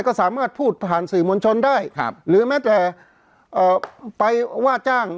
ก็สามารถพูดผ่านสื่อมวลชนได้ครับหรือแม้แต่ไปว่าจ้าง